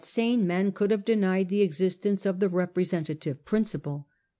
109 sane men could have denied the existence of the re presentative principle.